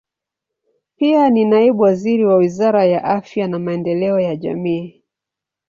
Pia ni naibu waziri wa Wizara ya Afya na Maendeleo ya Jamii.